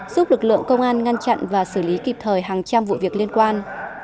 giúp lực lượng công an ngăn chặn và xử lý kịp thời hàng trăm vụ việc liên quan